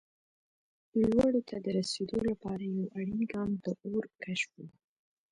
لوړو ته د رسېدو لپاره یو اړین ګام د اور کشف و.